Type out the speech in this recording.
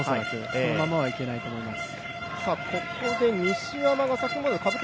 このままはいけないと思います。